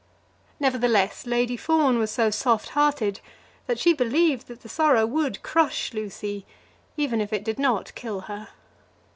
Nevertheless, Lady Fawn was so soft hearted that she believed that the sorrow would crush Lucy, even if it did not kill her.